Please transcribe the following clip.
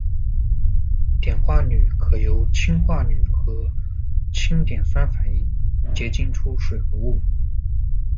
碘化钕可由氧化钕和氢碘酸反应，结晶出水合物。